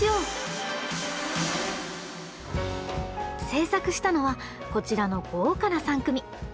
制作したのはこちらの豪華な３組！